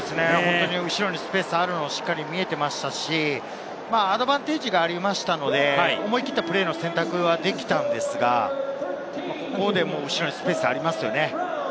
後ろにスペースがあるのがしっかり見えていましたし、アドバンテージがありましたので、思い切ったプレーの選択はできたのですが、ここで後ろにスペースがありますよね。